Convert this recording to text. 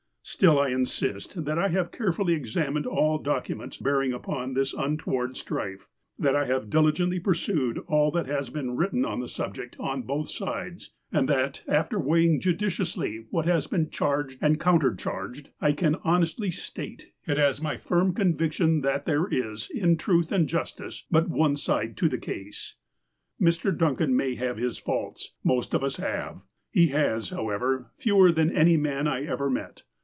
Still, I insist, that I have carefully examined all docu ments bearing upon this untoward strife, that I have diligonlly perused all that has been written on the sub INTRODUCTION 9 ject, on botli sides, and that, after weighing judiciously what has been charged and countercharged, I can hon estly state it as my firm conviction that there is, in truth and justice, but one side to the case. Mr. Duncan may have his faults : most of us have. He has, however, fewer than any man I ever met.